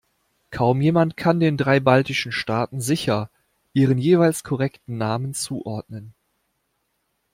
Kaum jemand kann den drei baltischen Staaten sicher ihren jeweils korrekten Namen zuordnen.